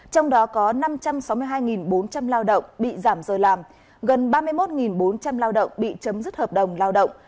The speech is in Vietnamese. trong đó có năm trăm sáu mươi hai bốn trăm linh lao động bị giảm giờ làm gần ba mươi một bốn trăm linh lao động bị chấm dứt hợp đồng lao động